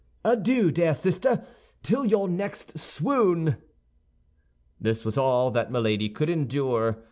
Adieu, dear sister, till your next swoon!" This was all that Milady could endure.